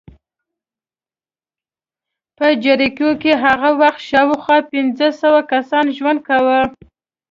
په جریکو کې هغه وخت شاوخوا پنځه سوه کسانو ژوند کاوه